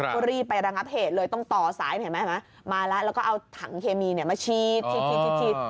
ก็รีบไประงับเหตุเลยต้องต่อสายเห็นไหมมาแล้วแล้วก็เอาถังเคมีมาฉีด